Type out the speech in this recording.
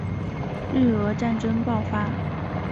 日俄战争爆发